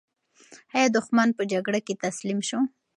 ایا دښمن په جګړه کې تسلیم شو؟